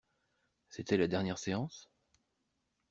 C'était la dernière séance?